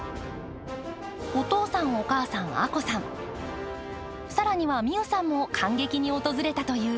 お父さん、お母さん、亜子さん、更には美宇さんも観劇に訪れたという。